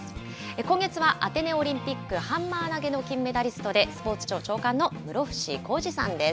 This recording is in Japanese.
今月はアテネオリンピック、ハンマー投げの金メダリストで、スポーツ庁長官の室伏広治さんです。